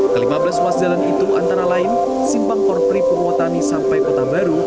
ke lima belas ruas jalan itu antara lain simpang korpri purwotani sampai kota baru